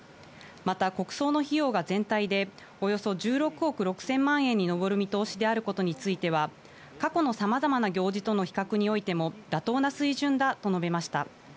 また、国葬の費用が全体でおよそ１６億６０００万円に上る見通しであることについては、過去のさまざまな行事との比較においても妥当な水準だと述べました。